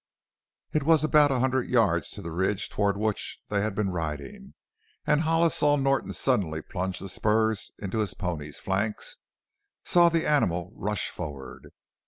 It was about a hundred yards to the ridge toward which they had been riding and Hollis saw Norton suddenly plunge the spurs into his pony's flanks; saw the animal rush forward.